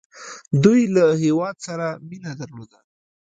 دوی له هیواد سره مینه درلوده.